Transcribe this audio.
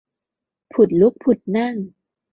ผุดลุกผุดนั่ง